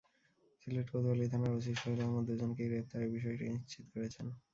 সিলেট কোতোয়ালি থানার ওসি সোহেল আহমদ দুজনকে গ্রেপ্তারের বিষয়টি নিশ্চিত করেছেন।